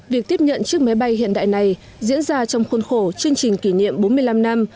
việc tiếp nhận chiếc máy bay hiện đại này diễn ra trong khuôn khổ chương trình kỷ niệm bốn mươi năm năm